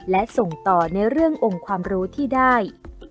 และส่งต่อในเรื่ององค์ความรู้ที่ได้